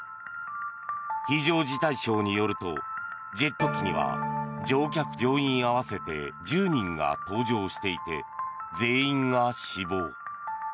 非常事態省によるとジェット機には乗客・乗員合わせて１０人が搭乗していて全員が死亡。